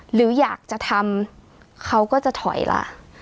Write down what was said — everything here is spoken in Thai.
หรืออยากจะทำเขาก็จะถอยล่ะ